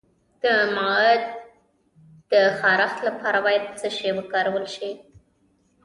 د مقعد د خارښ لپاره باید څه شی وکاروم؟